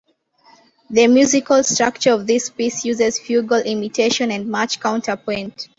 The musical structure of this piece uses fugal imitation and much counterpoint.